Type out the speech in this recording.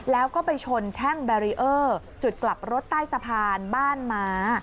แล้วก็ไปชนแท่งแบรีเออร์จุดกลับรถใต้สะพานบ้านม้า